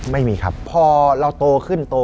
ไม่มีครับพอเราโตขึ้นโต